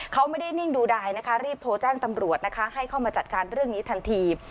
เขาไม่ได้นิ่งดูดายนะคะรีบโทรแจ้งตำรวจนะคะให้เข้ามาจัดการเรื่องนี้ทันที